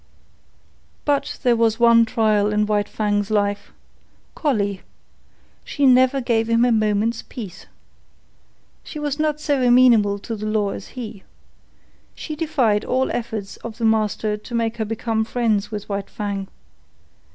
But there was one trial in White Fang's life—Collie. She never gave him a moment's peace. She was not so amenable to the law as he. She defied all efforts of the master to make her become friends with White Fang.